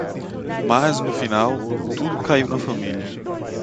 Mas no final... tudo caiu na família.